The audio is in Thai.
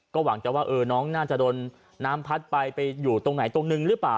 หวังจะว่าน้องน่าจะโดนน้ำพัดไปไปอยู่ตรงไหนตรงนึงหรือเปล่า